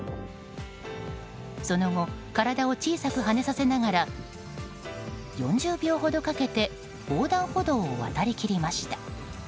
その後体を小さく跳ねさせながら４０秒ほどかけて横断歩道を渡り切りました。